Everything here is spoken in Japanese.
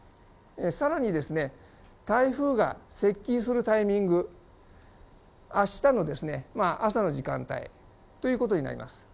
さらにですね、台風が接近するタイミング、あしたの朝の時間帯ということになります。